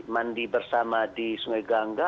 mandi bersama di sungai gangga